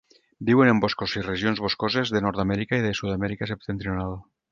Viuen en boscos i regions boscoses de Nord-amèrica i de Sud-amèrica septentrional.